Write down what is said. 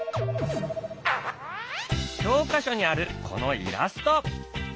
教科書にあるこのイラスト。